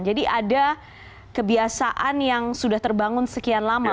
jadi ada kebiasaan yang sudah terbangun sekian lama